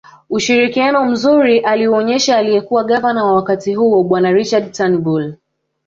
Ushirikiano mzuri aliouonyesha aliyekuwa gavana wa wakati huo bwana Richard Turnbull